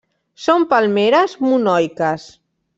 Són palmeres monoiques.